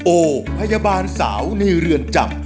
โอพยาบาลสาวในเรือนจำ